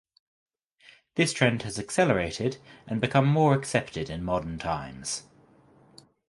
This trend has accelerated and become more accepted in modern times.